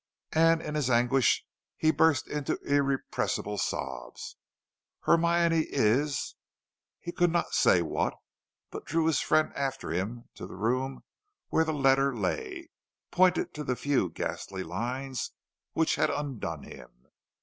and in his anguish he burst into irrepressible sobs "Hermione is " He could not say what, but drew his friend after him to the room where the letter lay, and pointed to the few ghastly lines which had undone him.